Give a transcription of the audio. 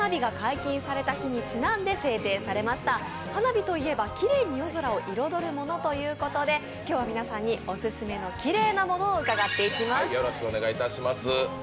花火といえばきれいに夜空を彩るものということで今日は皆さんにオススメのきれいなものを伺っていきます。